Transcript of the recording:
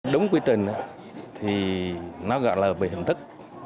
đúng quy trình thì nó gọi là về hình thức